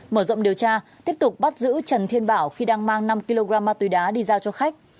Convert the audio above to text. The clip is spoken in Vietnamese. mở rộng điều tra tiếp tục bắt giữ trần thiên bảo khi đang mang năm kg ma túy đá đi giao cho khách